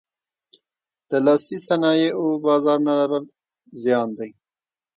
د لاسي صنایعو بازار نه لرل زیان دی.